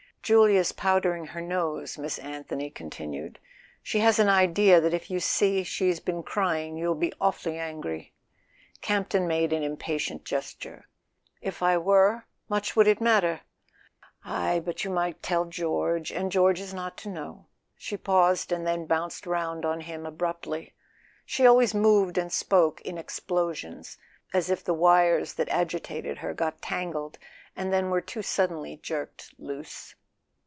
"Julia is powdering her nose," Miss Anthony con¬ tinued. "She has an idea that if you see she's been crying you'll be awfully angry." Camp ton made an impatient gesture. "If I were— much it would matter!" "Ah, but you might tell George; and George is not to know." She paused, and then bounced round on him abruptly. She always moved and spoke in explo¬ sions, as if the wires that agitated her got tangled, and then were too suddenly jerked loose.